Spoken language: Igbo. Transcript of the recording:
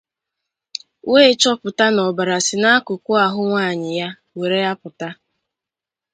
wee chọpụta na ọbara si n'akụkụ ahụ nwaanyị ya were apụta